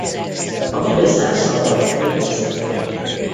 A bibeszál szabad vagy összeforrt.